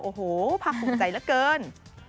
โอ้โหภาคภูมิใจเหลือเกิน